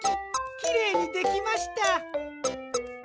きれいにできました。